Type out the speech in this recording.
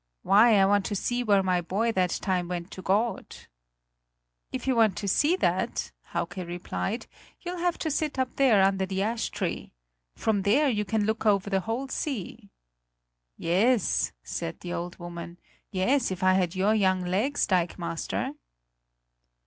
"Why, I want to see where my boy that time went to God!" "If you want to see that," Hauke replied, "you'll have to sit up there under the ash tree. From there you can look over the whole sea." "Yes," said the old woman; "yes, if I had your young legs, dikemaster."